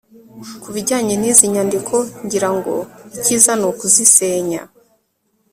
kubijyanye nizi nyandiko, ngira ngo icyiza nukuzisenya